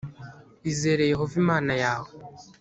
izere yehova imana yawe